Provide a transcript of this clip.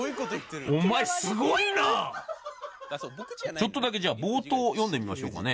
ちょっとだけじゃあ冒頭読んでみましょうかね。